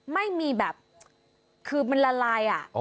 ไม่มีแบบคือมันละลาย